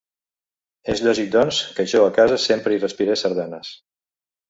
És lògic, doncs, que jo a casa sempre hi respirés sardanes.